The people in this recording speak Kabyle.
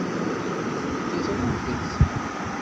Ula d nitenti ẓrant-t.